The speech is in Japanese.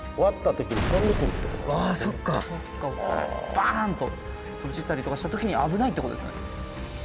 バーンと飛び散ったりとかした時に危ないってことですかね。